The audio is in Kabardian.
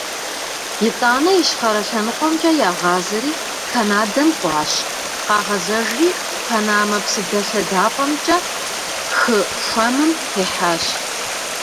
Итӏанэ Ищхъэрэ лъэныкъуэмкӏэ ягъазэри, Канадэм кӏуащ, къагъэзэжри, Панамэ псыдэлъэдапӏэмкӏэ хы Хуэмым техьащ.